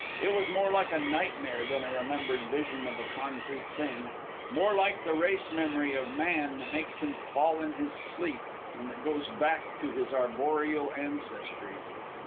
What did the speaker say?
It was more like a nightmare than a remembered vision of a concrete thing more like the race memory of man that makes him fall in his sleep and that goes back to his arboreal ancestry.